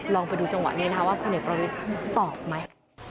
ลองไปดูจังหวะนี้นะครับว่าคุณเหนียวประวิทธิ์ตอบไหม